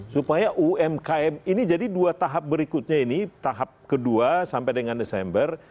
supaya umkm ini jadi dua tahap berikutnya ini tahap kedua sampai dengan desember